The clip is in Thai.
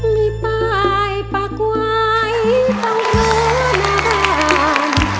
มีป้ายปากไหว้ต้องรู้หน้าแบบ